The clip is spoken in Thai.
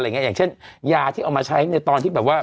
อย่างเช่นยาที่เอามาใช้ในตอนที่แบบว่า